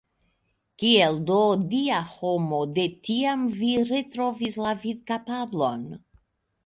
Kiel do, Dia homo, de tiam vi retrovis la vidkapablon?